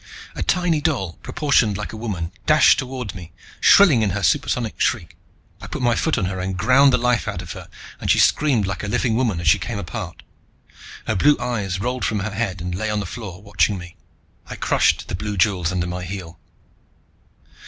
A tiny doll, proportioned like a woman, dashed toward me, shrilling in a supersonic shriek. I put my foot on her and ground the life out of her, and she screamed like a living woman as she came apart. Her blue eyes rolled from her head and lay on the floor watching me. I crushed the blue jewels under my heel.